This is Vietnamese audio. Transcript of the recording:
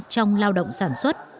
trong lao động sản xuất